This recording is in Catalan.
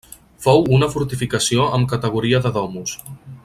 Fou una fortificació amb categoria de Domus.